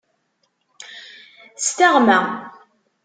S teɣma.